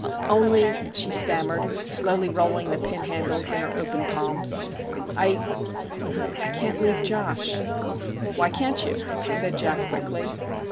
'Only,' she stammered, slowly rolling the pin handles in her open palms, ' I I can't leave Josh/ 'Why can't you?' said Jack quickly.